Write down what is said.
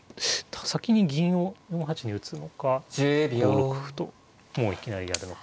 先に銀を４八に打つのか５六歩ともういきなりやるのか。